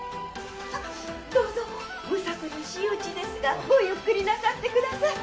どうぞむさ苦しいうちですがごゆっくりなさってください。